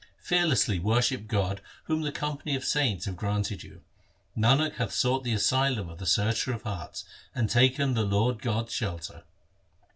Fearlessly worship God Whom the company of saints have granted you. Nanak hath sought the asylum of the Searcher of hearts, And taken the Lord God's shelter.